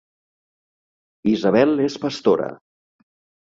Isabel és pastora